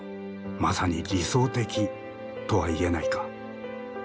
まさに理想的とは言えないか。